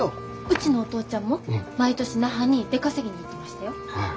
うちのお父ちゃんも毎年那覇に出稼ぎに行ってましたよ。